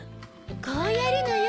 こうやるのよ。